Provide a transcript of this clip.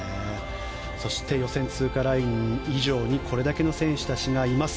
予選通過ライン以上にこれだけの選手たちがいます。